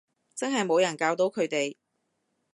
真係冇人教到佢哋